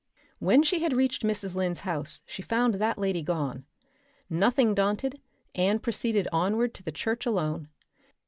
When she had reached Mrs. Lynde's house she found that lady gone. Nothing daunted, Anne proceeded onward to the church alone.